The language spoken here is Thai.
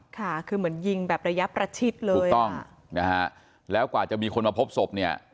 ค่ะคือเหมือนยิงแบบระยะประชิดเลยถูกต้องนะฮะแล้วกว่าจะมีคนมาพบศพเนี่ย